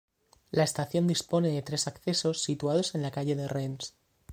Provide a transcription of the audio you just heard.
La estación dispone de tres accesos situados en la calle de Rennes.